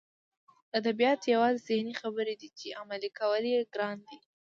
ادبیات یوازې ذهني خبرې دي چې عملي کول یې ګران دي